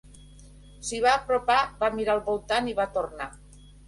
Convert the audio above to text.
S'hi va apropar, va mirar al voltant i va tornar.